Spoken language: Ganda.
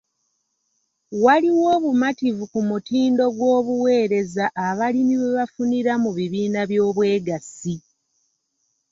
Waliwo obumativu ku mutindo gw'obuweereza abalimi bwe bafunira mu bibiina by'obwegassi.